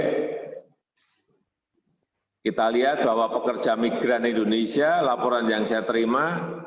kita lihat bahwa pekerja migran indonesia laporan yang saya terima